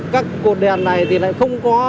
các cột đèn này thì lại không có